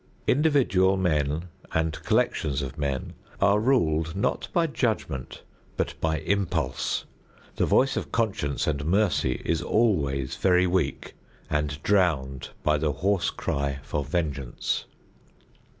Individual men and collections of men are ruled not by judgment but by impulse; the voice of conscience and mercy is always very weak and drowned by the hoarse cry for vengeance.